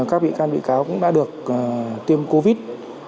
các bị can bị cáo cũng đã được tiêm covid